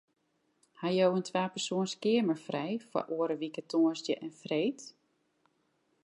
Ha jo in twapersoans keamer frij foar oare wike tongersdei en freed?